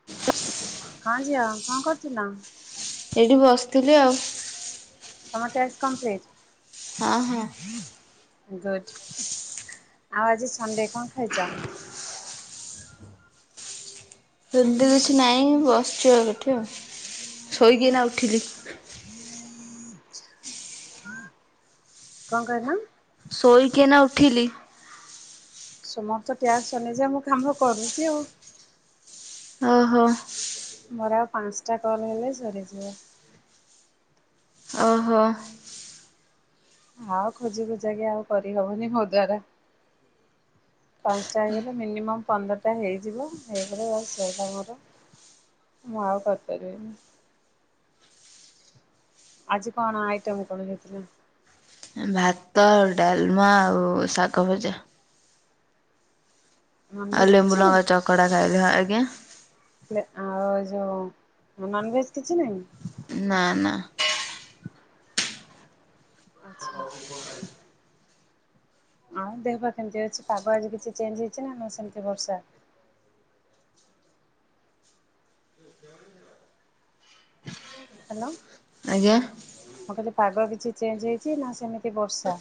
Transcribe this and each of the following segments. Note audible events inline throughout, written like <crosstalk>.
<inaudible> ହଁ ଝିଅ କଣ କରୁଥିଲ? ଏଇଠି ବସିଥିଲି ଆଉ ତମ ଟାକ୍ସ୍ କମ୍ପ୍ଲିଟ୍? ହଁ ହଁ। ଗୁଡ଼ ଆଉ ଆଜି ସଣ୍ଡେ କଣ ଖାଇଛ? ସେମିତି କିଛି ନାହିଁ ବସିଛୁ ଆଉ ଏଠି ଆଉ ଶୋଇକି ଏଇନା ଉଠିଲି କଣ କହିଲ? ଶୋଇକି ଏଇନା ଉଠିଲି। ସୁମ ର ତ ଟାକ୍ସ୍ ସରୁନି ଯେ ମୁଁ କାମ କରୁଛି ଆଉ ଓହୋ। ମୋର ଆଉ ପାଞ୍ଚଟା କଲ୍ ହେଲେ ସରିଯିବ। ଓହୋ। ଆଉ ଖୋଜି ଖୋଜା କି ଆଉ କରିହବନି ମୋ ଦ୍ୱାରା ପାଞ୍ଚଟା ହେଇଗଲେ ମିନିମମ୍ ପନ୍ଦରଟା ହେଇଯିବ ହେଇଗଲେ ବାସ୍ ସଇଲା ମୋର ମୁଁ ଆଉ କରିପାରିବିନି। ଆଜି କଣ ଆଇଟମ କଣ ହେଇଥିଲା? ଭାତ ଡାଲମା ଆଉ ଶାଗ ଭଜା ଆଉ ନନଭେଜ କିଛି ଲେମ୍ବୁ ଲଙ୍କା ନାହିଁ? ଚକଡା ଖାଇଲେ ଆଜ୍ଞା ଆଉ ଯୋଉ ନନ୍ ଭେଜ କିଛି ନାହିଁ? ନା ନା। ଆଚ୍ଛା। ଆଉ ଦେହ ପା କେମିତି ଅଛି ପାଗ ଆଜି କିଛି ଚେଞ୍ଜ୍ ହେଇଛି ନା ସେମିତି ବର୍ଷା? ହାଲୋ। ଆଜ୍ଞା। ମୁଁ କହିଲି ପାଗ କିଛି ଚେଞ୍ଜ ହେଇଛି ନା ସେମିତି ବର୍ଷା।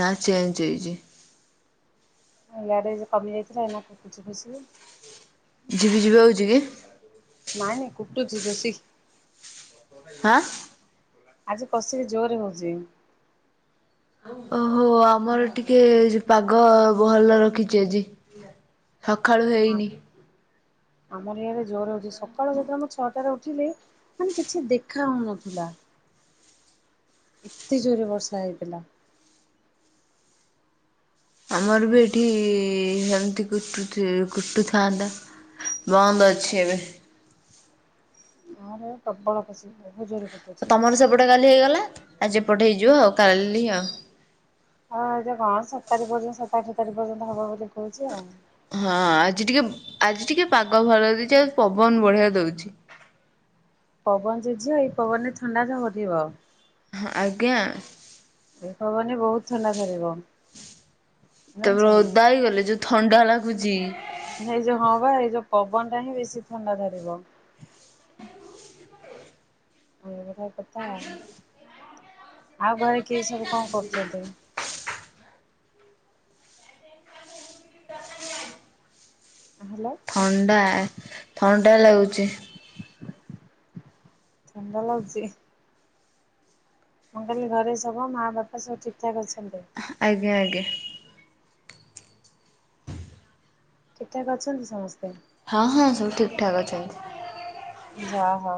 ନା ଚେଞ୍ଜ ହେଇଛି। ଇଆଡ଼େ କମିଯାଇଥିଲା ଏଇନା କୁଟୁଚି କସିକି। ଝିପି ଝିପି ହଉଛି କି? ନାଇଁ ନାଇଁ କୁଟୁଛିି ବେସି ହାଁ? ଆଜି କଷିକି ଜୋରରେ ହଉଛି। ଓହୋ ଆମର ଟିକେ ପାଗ ଭଲ ରଖିଛି ଆଜି। ସକାଳୁ ନା ହେଇନି। ଆମର ଇଆରେ ଜୋର ହଉଛି ସକାଳ ଯେତେବେଳେ ମୁଁ ଛଅଟାରେ ଉଠିଲି ମାନେ କିଛି ଦେଖା ହଉନଥିଲା। ଏତେ ଜୋରେ ବର୍ଷା ହେଇଥିଲା। ଆମର ବି ଏଠି ସେମିତି କୁ କୁଟୁଥାନ୍ତା। ବନ୍ଦ ଅଛି ଏବେ। ଗାଁରେ ପ୍ରବଳ ପଷି ବହୁତ ଜୋର କ ତୁମର ସେପଟେ କାଲି ହେଇଗଲା ଆଜି ଏପଟେ ହେଇଯିବ ଆଉ କାଲି ଆଉ। ହଁ ଏଟ କଣ ସାତ ତାରିଖ ପର୍ଯ୍ୟନ୍ତ ସାତ ଆଠ ତାରିଖ ପର୍ଯ୍ୟନ୍ତ ହବ ବୋଲି କହୁଛି ଆଉ। ହଁ ଆଜି ଟିକେ ଆଜି ଟିକେ ପାଗ ଭଲ ଦେଇଛି ଆଉ ପବନ ବଢିଆ ଦଉଛି। ପବନ ଜେ ଝିଅ ଏଇ ପବନରେ ଥଣ୍ଡାରେ ହରିବ। ହଁ ଆଜ୍ଞା। ଏ ହବନି ବହୁତ ଥଣ୍ଡା ଧରିବ। ତାପରେ ଜାଣିଛ ନା। ଓଦା ହେଇ ଗଲି ଯୋଉ ଥଣ୍ଡା ଲାଗୁଛି। ଏଇ ଯୋଉ ହଁ ବା ଏଇ ଯୋଉ ପବନ ଟା ହିଁ ବେଶୀ ଥଣ୍ଡା ଧରିବ। ଏଇଗଟା କଥା ଆଉ ଘରେ କିଏ ସବୁ କଣ କରୁଛନ୍ତି? ହ୍ୟାଲୋ। ଥଣ୍ଡା ଥଣ୍ଡା ଲାଗୁଛି। ଥଣ୍ଡା ଲାଗଛି? ଅ କାଲି ଘରେ ସବୁ ମାଆ ବାପା ସବୁ ଠିକ୍ଠାକ୍ ଅଛନ୍ତି। ଆଜ୍ଞା ଆଜ୍ଞା। କେତେକ ଅଛନ୍ତି ସମସ୍ତେ। ହଁ ହଁ ସବୁ ଠିକ୍ ଠାକ୍ ଅଛନ୍ତି। ଯା ହଉ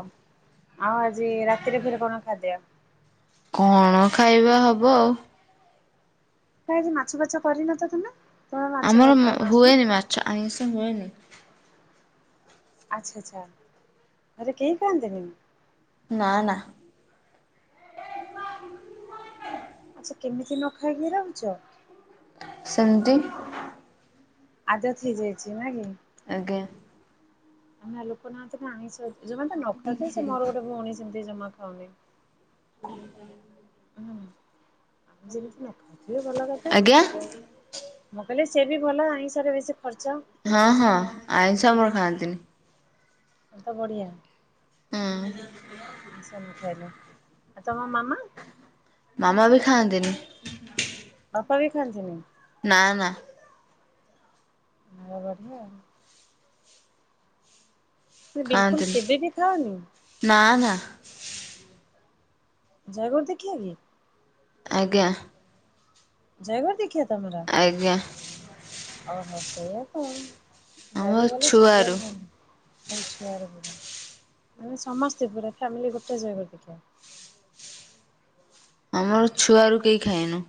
ଆଉ ଆଜି ରାତିରେ ଫେର କଣ ଖାଦ୍ୟ? କଣ ଖାଇବା ହେବ ଆଉ। କାଇି ମାଛ ବାଛ କରିନ ତ ତମେ? ତମେ ମାଛ ଭଲ ଆମର ପାଉନା କଣ? ହୁଏନି ମାଛ ଆଇିଷ ହୁଏନି। ଆଚ୍ଛା ଆଚ୍ଛା ଘରେ କେହି ଖନ୍ତିନି। ନା ନା। ଆଚ୍ଛା କେମିତି ନ ଖାଇକି ରହୁଛ? ସେମତି। ଆଦତ ହେଇଯାଇଛି ନା କି? ଆଜ୍ଞା। ଆମେ ଲୋକ ନା ତ ଆଣି ଜମା ତ ନ ଖାଉଥେ ସେ ମୋର ଗୋଟେ ଭଉଣୀ ସେମିତି ଜମା ଖାଉନି। <inaudible> ଆମେ ଯେମିତି ନ ଖାଉଥିବେ ଭଲ କଥା। ଆଜ୍ଞା ମୁଁ କହିଲି ସେ ବି ଭଲ ଆଇିଂଷରେ ବେଶୀ ଖର୍ଚ୍ଚ। ହଁ ହଁ ଆଇଁଷ ଆମର ଖାଆନ୍ତିନି। ଏ ତ ବଢିଆ। ହଁ। ସ ନ ଖାଇଲେ। ଆଉ ତମ ମାମା? ମାମା ବି ଖାନ୍ତିନି। ବାପା ବି ଖାନ୍ତି ନି। ନା ନା। ଆ ବଢିଆ। ବିଲକୁଲୁ ଖାଆନ୍ତିନି କେବେ ବି ଖାଅନି? ନା ନା। ଜାୟଗୁରୁ ଫିକ୍ଷୀଆ କି? ଆଜ୍ଞା। ଜୟଗୁଋ ଦିଖିଆ ତମର? ଆଜ୍ଞା। ଓହୋ ସେଇଆ ତ ଆମ ଜୟଗୁରୁ ଶିଖିବାଲା ଶୁକ୍ରର ଛୁଆରୁ ବାରେ ଖା ନ୍ତିନି। ଛୁଆବେଳୁ ଦିନୁ ମୁ କହିଲି ମାନେ ସମସ୍ତେ ପୁରା ଫାମିଲି ଗୋଟେ ଜୟ ଗୁରୁ ଦୀକ୍ଷା। ଆମର ଛୁଆରୁ କେହି ଖାଇଏନୁ।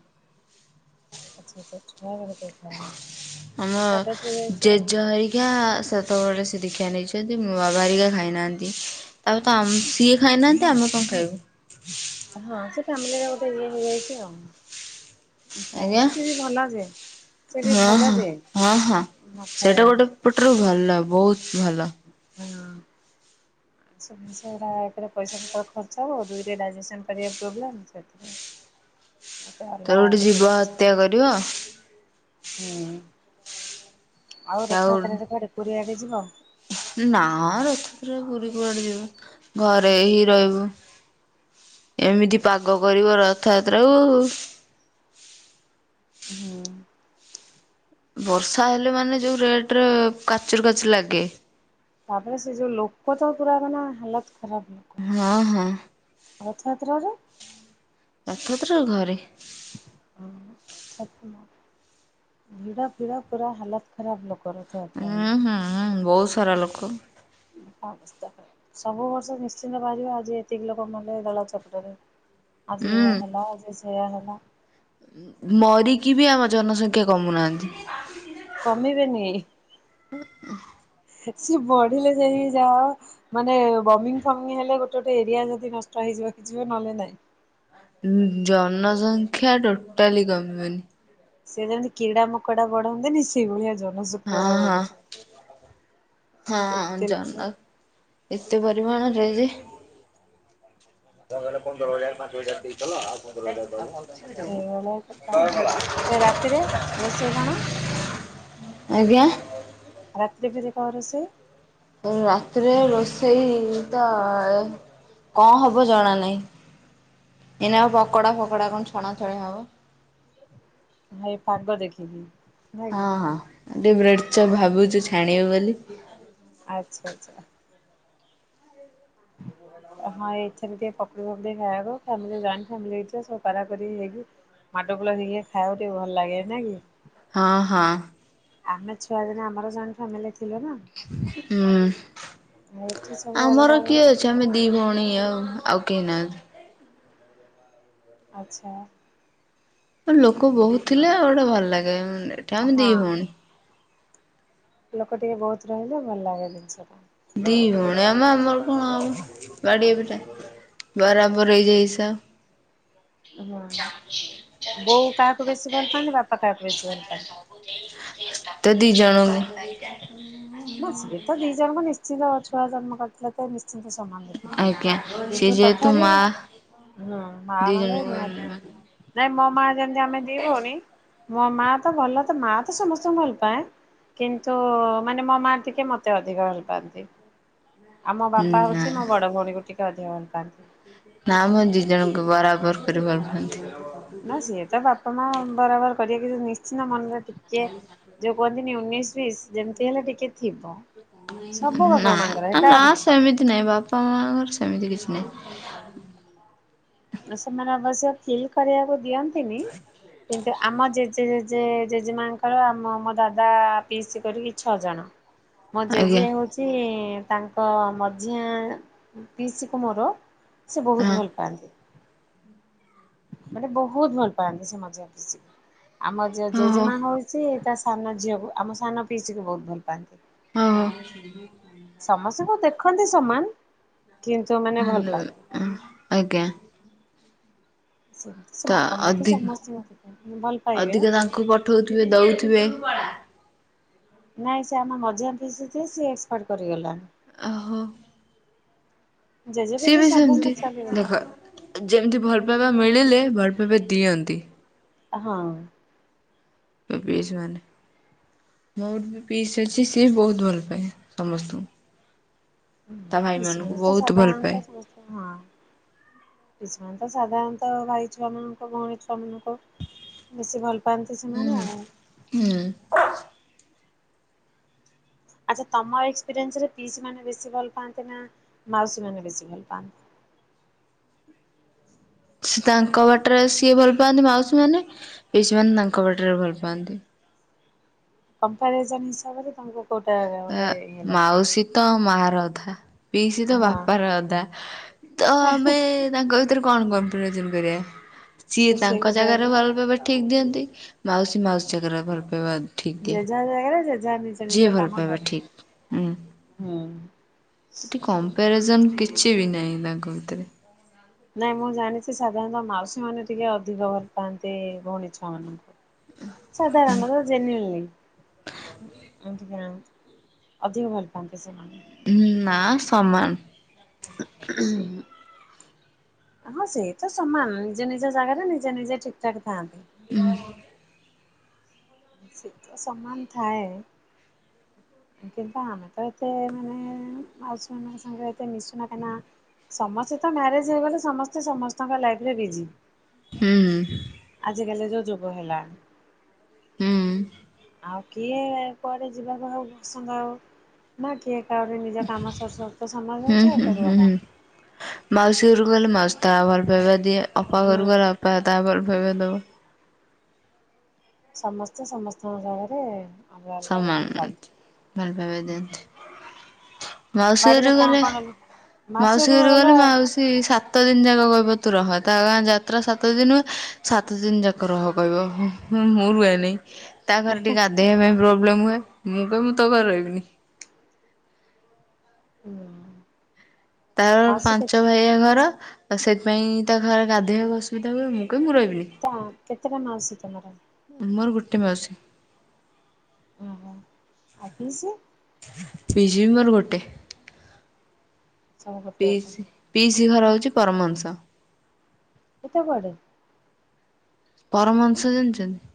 ଆଚଛା ଆଚଛା ଛୁଆ ବେଳେ କେବେ ଖାଇାନ। ଆମ ଜେଜ ହେରିକା ସ ଶେତ ବେଳେ ଦିଖିଆ ନେଇଛନ୍ତି ମୋ ବାବାହେରିକା ଖାଇନାହାନ୍ତି। ତାପରେ ତ ସିଏ ଖାଇନାହାନ୍ତି ଆମେ କଣ ଖାଇବୁ। ହଁ ସେ ଫ୍ୟାମିଲି ରେ ଗୋଟେ ଇଏ ହେଇଯାଇଛି ଆଉ। ଖିଆ ଆଜ୍ଞା ହଉନି ସିଏ ବି ଭଲ ଯେ ସି ବି ହଁ ଭଲ ଯେ ନ ଖାଇବା। ଏପଟରୁ ଭଲ ବହୁତ ଭଲ। ହଁ। ସବୁ ଜିନିଷଗୁରା ଏକରେ ପଇସା ପତ୍ର ଖର୍ଚ୍ଚ ହେବ ଆଉ ଦୁଇରେ ଡାଇଜେସନ୍ କରିବାକୁ ପ୍ରୋବ୍ଲେମ୍ ସେଥିାଇଁ। <inaudible> ତାର ଗୋଟେ ଯିବ ହତ୍ୟା କରିବ ହୁଁ ଆଉ ଆଉ ରଥଯାତ୍ରାରେ କୁଆଡେ ପୁରୀଆଡେ ଯିବ? ନା ଆ ରଥରେ ଯାତ୍ରାରେ ପୁରୀ କୁଆଡେ ଯିବୁ ଘରେ ଏହି ରହିବୁ। ଏମିତି ପାଗ କରିବ ରଥଯାତ୍ରାକୁ-ଉ ହୁଁ। ବର୍ଷା ହେଲେ ମାନେ ଯୋଉ ରେଟରେ କାଚୁର କାଚୁର ଲାଗେ ତାପରେ ସେ ଯୋଉ ଲୋକ ତ ପୁରା ମାନେ ହାଲତ ଖରାପ ଲୋକ ହଁ ହଁ। ରଥଯାତ୍ରାରେ? ରଥଯାତ୍ରାରେ ଘରେ କାହୁନା ଆତ୍ମ। ଭିଡ଼ ଫିଡ଼ ପୁରା ହାଲତ ଖରାପ ଲୋକର। ହୁଁ ହୁଁ ହୁଁ ବହୁତ ସାରା ଲୋକ। ହଁ ବସିଥା ସବୁ ବର୍ଷ ନିଶ୍ଚିନ୍ତ ବାହାରିବ ଆଜି ଏତିକି ଲୋକ ମଲେ ଦଳା ଚକଟାରେ। ଆଜି ଉଁ ଏୟା ହେଲା ଆଜି ସେୟା ହେଲା। ମ ମରିକି ବି ଆମ ଜନସଂଖ୍ୟା କମୁନାହାନ୍ତି। କମିବେନି? ଓଃ <unintelligible> ସେ ସି ବଢିଲେ ଯାଇକି ଯାଅ ମାନେ ବମିଂ ଫମିଂ ହେଲେ ଗୋଟେ ଗୋଟେ ଏରିଆ ଯଦି ନଷ୍ଟ ହେଇଯିବ କିଛିିବି ନହେଲେ ନାଇଁ। ଜନସଂଖ୍ୟା ଟୋଟାଲି କମିବନି। ସେଣେ କିଡ଼ା ମକଡା ବଢନ୍ତି ନି ଶେଇଭଳିଆ ହଁ ଜନସଂଖ୍ୟାଗୁରା ହଁ ବଢୁଚନ୍ତୀ ହଁ ଏତେ ଜନ ଲୋକ। ଏତେ ପରିମାଣରେ ଯେ ତ ମେପା କହିଲ ପନ୍ଦର ହଜାର ପାଞ୍ଚ ହଜାର ଦେଇଥିଲ ଆଉ ପନ୍ଦର ହଜାରେ ଦବ ଏ ରାତିରେ ରୋଷେଇ କଣ? ଆଜ୍ଞା। ରାତିରେ ଫେରେ କଣ ରୋଷେଇ? ରାତିରେ ରୋଷେଇ ତ-ଅ କଣ ହବ ଜଣା ନାହିଁ। ଏଇନା ଆଉ ପକୋଡା ଫକଡା କଣ ଛଣା ଛଣୀ ହବ। ଭାଇ ପାଗ ଦେଖିକି। ନାଇଁ କି ହଁ ହଁ। ଟିକେ ବ୍ରେଡ଼ଚପ ଭାବୁଛୁ ଛାଣିବୁ ବୋଲି। ଆଚ୍ଛା ଆଚ୍ଛା। <unintelligible> ହାଁ ଏ ସେମିତି ପକୁଡି ଫକୁଡି ଖାଇବାକୁ ଫାମିଲି ଯାନ୍ତି, ଫାମିଲ ହେଇ ଥିବ ସବୁ କରା କରି ହେଇକି ମାଡ଼ଗୋଳ ହେଇ ଖାଇବାକୁ ଟିକିଏ ଭଲ ଲାଗେ ନାଇ କି? ହଁ ହଁ। ଆମେ ଛୁଆ ଦିନ ଆମର ଜଏଣ୍ଟ ଫାମିଲି ଥିଲେ ନା, ହୁଁ ଏଠି ସବୁ ଅଲଗା ଅଲଗା ଏଠି ଆମେ ଦି ଭଉଣୀ ଆଉ। ଆଉ କେ ନାହାନ୍ତି। ଆଚ୍ଛା। ଲୋକ ବହୁତ ଥିଲେ ଆଉ ଗୋଟେ ଭଲ ଲାଗେ, ଏଠି ଆମେ ଦି ହଁ ଭଉଣି। ଲୋକ ଟିକେ ବହୁତ ରହିଲେ ଭଲ ଲାଗେ ଜିନିଷ ଟା। ଦି ଭଉଣୀ ଆମ ଆମର କଣ ଆଉ ବାଡ଼ିଆ ପିଟା ବରାବର ହେଇଯାଇସା ହଁ। ବୋଉ କାହାକୁ ବେଶୀ ଭଲ ପାଆନ୍ତି? ବାପା କାହାକୁ ବେଶୀ ଭଲ ପାଆନ୍ତି? ତ ଦି ଜଣକୁ। <unintelligible> ନା ସିଏ ତ ଦିଜଣକ ନିଶ୍ଚିନ୍ତ, ଛୁଆ ଜନ୍ମ କରି ଥିଲେ ତ ନିଶ୍ଚିତ ସମାନ ଦେଖୁଥିବେ। ଆଜ୍ଞା ସେ କିନ୍ତୁ ଯେହେତୁ ତଥାବି ମା ହୁଁ ମା ଦି ମାନେ ଜଣଙ୍କୁ ନିହାତି। ନାଇଁ ମୋ ମା ଯେମିତି ଆମେ ଦିଭଉଣି ମୋ ମାଆ ତ ଭଲ ତ, ମାଆ ତ ସମସ୍ତଙ୍କୁ ଭଲ ପାାଏ। କିନ୍ତୁ ମାନେ ମୋ ମା ଟିକେ ମତେ ଅଧିକ ହେଲପଆନ୍ତି। ଆଉ ମୋ ବାପା ନା ହଉଛି ମୋ ବଡ ଭଉଣୀକୁ ଟିକେ କେ, ଅଧିକ ଭଲ ପାଆନ୍ତି। ନା ମ ଆମ ଦିଇ ଜଣଙ୍କୁ ବରାବର କରି ଭଲପାଆନ୍ତି। ନା ସିଏ ତ ବାପା ମା ବରାବର କରିବେ କି ନିଶ୍ଚିନ୍ତ ମନରେ ଟିକେ ଯୋଉ କୁହନ୍ତିନି ଉଣେଇଶ ଵିଶ ଯେମତି ହେଲେ ଟିକେ ଥିବ। ସବୁ ନା ବାପା ମାଙ୍କର ଏଇଟା ନା ସେମିତି ନାହିଁ। ବାପା ମାଆଙ୍କର ସେମିତି କିଛି ନାହିଁ। ସେମାନେ ଅବଶ୍ୟ ଫିଲ୍ କରିବାକୁ ଦିଅନ୍ତିନି। କିନ୍ତୁ ଆମ ଜେଜେ, ଜେଜେ- ଜେଜେମାଙ୍କର ଆମ ଦାଦା ପିଇସି କରିକି ଛଅ ଜଣ ଁ <inaudible> ମୋ ଆଜ୍ଞା ଜେଜେ ହଉଛି ତାଙ୍କ ମଝିଆ ପିଇସି କୁ ମୋର ସେ ବୋହୁତ୍ ହଁ ଭଲ ପାଆନ୍ତି। ମାନେ ବୋହୁତ୍ ଭଲ ପାଆନ୍ତି। ସେ ମଝିଆଁ ପିଇସି, ଆମର ଯେ ହଁ ଜେଜେମା ହଉଛି ତା ସାନ ଝିଅକୁ, ଆମ ସାନ ପିଇସି କୁ ବହୁତ ଭଲ ପାଆନ୍ତି। ହଁ। ସମସ୍ତଙ୍କୁ ଦେଖନ୍ତି ସମାନ କିନ୍ତୁ ନା ଆଜ୍ଞା। ସେ ତ ସେ ବାପା ମା ତ ଅଧିକ ସମସ୍ତେ ଭଲ ପାଇବେ ଉଠଉଥିବେ, ଦଉଥିବେ ନାଇଁ ସେ ଆମ ମଝିଆଁ ପିଇସି ଯିଏ ସିଏ ଏକ୍ସପାର୍ଟ କରିଗଲା। ଓହୋ। ଜେଜେ ସିଏ ଫେଜେ ବି ସବୁ ସେମତି। ଚାଲିଗଲେଣି ଦେଖ ଯେମିତି ଭଲ ପାଇବା ମିଳିଲେ ଭଲ ପାଇବା ଦିଅନ୍ତି। ହଁ। ଏ ପିସିମାନେ। ମୋର ବି ପିସି ଅଛି, ସିଏ ବହୁତ ଭଲ ପାଏ ସମସ୍ତଙ୍କୁ। ତା ଭାଇ ପିଇସି ମାନଙ୍କୁ ମାନେ ତ ବହୁତ ଭଲ ପାଏ। ସାଧାରଣତଃ ହଁ। କିଷମାନେ ତ ସାଧାରଣତଃ ଭାଇ ଛୁଆ ମାନଙ୍କ ଭଉଣୀ ଛୁଆ ମାନଙ୍କ। ବେଶୀ ଭଲ ପାଆନ୍ତି ସେମାନେ ହୁଁ ଆଉ। ହୁଁ। ଆଚ୍ଛା ତମ ଏକ୍ସପିରିଏନ୍ସ ରେ ପିଇସି ମାନେ ବେଶୀ ଭଲ ପାଆନ୍ତେ ନା ମାଉସୀ ମାନେ ବେଶୀ ଭଲ ପାଆନ୍ତି? ସେ ତାଙ୍କ ବାଟରେ ସିଏ ଭଲ ପାଆନ୍ତି ମାଉସୀ ମାନେ ପିଇସି ମାନେ ତାଙ୍କ ବାଟରେ ଭଲ ପାଆନ୍ତି। କମ୍ପାରିଜନ ହିସାବରେ ତାଙ୍କୁ କୋଟା। ଏ ମାଉସୀ ତ ମା ର ଅଧା। ପିଇସି ତ ବାପାର ହଁ ଅଧା ତ ଆମେ ତାଙ୍କ ଭି ରୁ କଣ କମ୍ପାରିଯନ୍ କରିବା ସିଏ ସେଇ ତାଙ୍କ କଥା ଜାଗାରେ ଭଲପାଇବା ଠିକ ଦିଅନ୍ତି। ମାଉସୀ ମାଉସୀ ଜାଗାରେ ଭଲ ପାଇବା ଠିକ ଦିଏ ଜେଝା ଜାଗାରେ ଜେଝା ମିସ ଯିଏ ଭଲ ପାଇବା ଠିକ୍ ଉଁ। ହୁଁ। ଏଠି କମ୍ପାରିଜନ୍ କିଛି ବି ନାହିଁ ତାଙ୍କ ଭିତରେ। ନାଇଁ ମୁଁ ଜାଣିଛି ସାଧାରଣତଃ ମାଉସୀ ମାନେ ଟିକେ ଅଧିକ ଭଲ ପାଆନ୍ତି ଭଉଣୀ ଛୁଆ ମାନଙ୍କୁ। ସାଧାରଣତ ଜନିଲ। <unintelligible> ଅଧିକ ଭଲ ପାନ୍ତି ସେମାନେଙ୍କୁ। ହୁଁ ନା ସମାନ। ଉଁ ହୁଁ। ହଁ ସେଇ ତ ସମାନ ନିଜ ନିଜ ଜାଗାରେ ନିଜେ ନିଜେ ଠିକ ଠାକ୍ ଥାଆନ୍ତି। ହୁଁ। ସେତ ସମାନ ଥାଏ। କିନ୍ତୁ ଆମେ ତ ଏତେ ମାନେ ମାଉସୀ ମାନଙ୍କ ସାଙ୍ଗରେ ଏତେ ମିଶୁନା କାନା ସମସ୍ତେ ତ ମ୍ୟାରେଜ ହେଇଗଲେ ସମସ୍ତେ ସମସ୍ତଙ୍କ ଲାଇଫରେ ବିଜି। ହୁଁ ହୁଁ। ଆଜିକାଲି ଯୋଉ ଯୁଗ ହେଲା। ହୁଁ। ଆଉ କିଏ କୁଆଡ଼େ ଯିବାକୁ ଆଉ ପସନ୍ଦ ଆଉ ନା କିଏ ତାପରେ ନିଜ କାମ ସରୁ ସରୁ ତ ସମୟ ହେଇଯାଉଛି ଆଉ ହୁଁ କରିବ ହୁଁ ହୁଁ। କଣ? ମାଉସୀ ଘରକୁ ଗଲେ ମାଉସୀ ତା ଭଲ ପାଇବା ଦିଏ, ଅପା ହୁଁ ଘରକୁ ଗଲେ ଅ ପା ତା ଭଲପାଇବା ଦବ। ସମସ୍ତେ ସମସ୍ତଙ୍କ ଜାଗରେ ଅଲଗା ଅଲଗା ସମାନ ହେଇକି ଭଲ ପାଇବା ଥାଆନ୍ତି। ଉଁ ହୁଁ। ଦିଅନ୍ତି। ମାଉସୀ ଘରକୁ କଣ ଗଲେ କଣ ମାଉସୀ ଘରକୁ ଗଲେ ମାଉସୀ ସାତ ସାତ ଦିନ ଯାକ କହିବ ତୁ ରହ ତା ଗାଁ ଯାତ୍ରା ସାତଦିନ ସାତଦିନ ଯାକ ରହ କହିବ। ହଁ ମୁଁ ରୁହେ ନି ତା ଘରେ ଟିକେ ଗାଧେଇବା ପାଇଁ ପ୍ରୋବ୍ଲେମ୍ ହୁଏ ମୁଁ କହିମି ମୁଁ ତୋ ଘରେ ରହିବିନି। ହୁଁ। ତାର ମାଉସୀ ପାଞ୍ଚ କେତେ ଭାଇଆ ଘର ତ ସେଥିପାଇଁ ତା ଘରେ ଗାଧେଇବାକୁ ଅସୁବିଧା ହୁଏ ମୁଁ କହି ମୁଁ ରହିବିନି। ତ କେତେଟା ମାଉସି ତମର? ମୋର ଗୋଟେ ମାଉସୀ। ଓହୋ ଆଉ ପିସି? ପିସି ବି ମୋର ଗୋଟେ ସବୁ ଗୋଟେ ଗୋଟେ ପିସି। ପିଇସି ଘର ହଉଛି ପରମାଂସ। ସେଟା କୁଆଡେ? ପରମଂସ ଜାଣିଛନ୍ତି?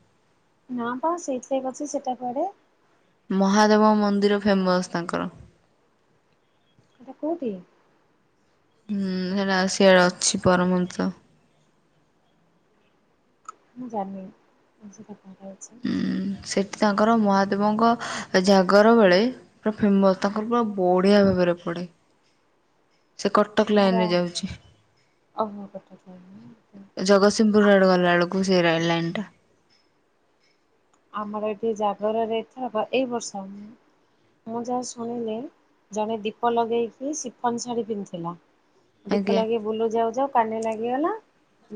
ନା ପା ସେଇଥିଲାଇ କଛି ସେଇଟା କୁଆଡେ? ମହାଦେବ ମନ୍ଦିର ଫେମସ ତାଙ୍କର। ସେଟା କୋଉଠି? ହୁଁ ସେଇଟା ସିଆଡ଼େ ଅଛି ପରମଞ୍ଚ। ମୁଁ ଜାନି ଆଜି ପ୍ରଥମ ଥର ଶୁଣିଲି। ଉ ସେଠି ତାଙ୍କର ମହାଦେବଙ୍କ ଜାଗର ବେଳେ ପୁରା ଫେମସ୍ ତାଙ୍କର ପୁରା ବଢ଼ିଆ ଭାବରେ ପଡ଼େ। ସେ କଟକ ଲାଇନ୍ ରେ ଯାଉଛି। ଓ ହୋ କଟକ <unintelligible> ଆଉ କୁ ସେ ରେଲ୍ ଲାଇନଟା ଆମର ଏଠି ଜାଗରରେ ଏଠି ହବ, ଏଇ ବର୍ଷ ମୁଁ ଯାହା ଶୁଣିଲି ଜଣେ ଦୀପ ଲଗେଇକି, ସିଫନ ଶାଢ଼ୀ ପିନ୍ଧିଥିଲା। ଦୀପ ଆଜ୍ଞା ଲଗେଇ ବୁଲି ଯାଉ ଯାଉ କାନି ନାଗିଗଲା,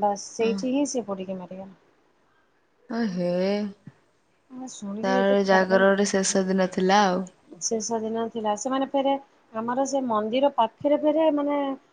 ବାସ୍ ସେଇଠି ହିଁ ସେ ପୋଡ଼ିକି ମରିଗଲା। ଏ ହେ ଶୁଣିକି ଏତେ ତାର ଖରାପ ମାନେ ଜାଗର ଗୋଟେ ଶେଷ ଦିନ ଥିଲା ଆଉ। ଶେଷ ଦିନ ଥିଲା, ସେମାନେ ଫେରେ ଆମର ସେ ମନ୍ଦିର ପାଖରେ ଫେରେ ମାନେ